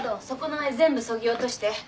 そこの絵全部そぎ落として。